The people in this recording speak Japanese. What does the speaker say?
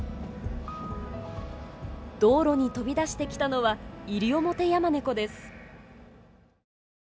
道路に飛び出してきたのはイリオモテヤマネコです。